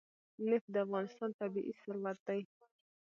نفت د افغانستان طبعي ثروت دی.